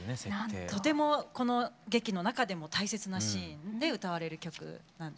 とてもこの劇の中でも大切なシーンで歌われる曲なんです。